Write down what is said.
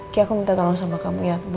ki aku minta tolong sama kamu ya